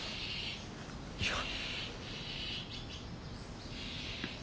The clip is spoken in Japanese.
いや。